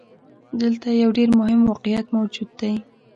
دلته يو ډېر مهم واقعيت موجود دی.